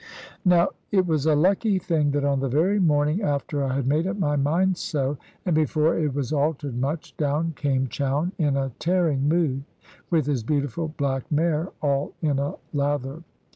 Now it was a lucky thing, that on the very morning after I had made my mind up so, and before it was altered much, down came Chowne in a tearing mood, with his beautiful black mare all in a lather.